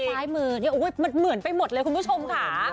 ซ้ายมือเนี่ยมันเหมือนไปหมดเลยคุณผู้ชมค่ะ